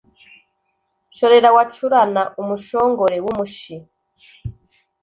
shorera wacurana umushongore w’umushi